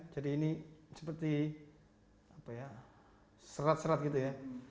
jadi ini seperti serat serat gitu ya